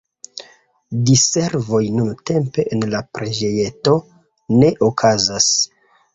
Diservoj nuntempe en la preĝejeto ne okazas.